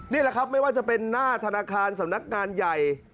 นี่แหละครับไม่ว่าจะเป็นหน้าธนาคารสำนักงานใหญ่